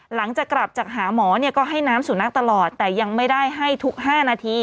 หลังจากกลับจากหาหมอเนี่ยก็ให้น้ำสุนัขตลอดแต่ยังไม่ได้ให้ทุก๕นาที